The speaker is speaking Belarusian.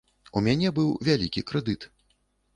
У мяне быў вялікі крэдыт.